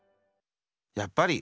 やっぱり。